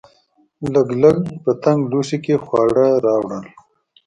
لګلګ په تنګ لوښي کې خواړه راوړل.